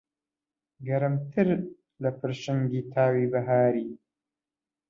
گەرمتر لە پڕشنگی تاوی بەهاری